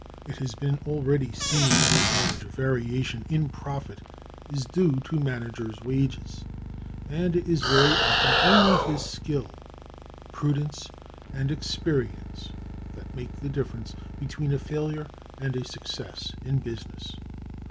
It has been already seen how large a variation in profit is due to manager's wages; and it is very often only his skill, prudence, and experience that make the difference between a failure and a success in business.